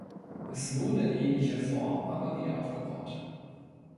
Es wurde in ähnlicher Form aber wiederaufgebaut.